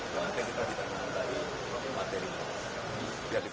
mungkin kita tidak memantai